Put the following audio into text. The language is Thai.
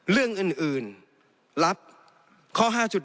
เรื่องอื่นรับข้อ๕๗